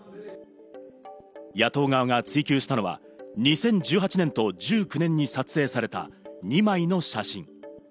野党側が追及したのは２０１８年と１９年に撮影された２枚の写真。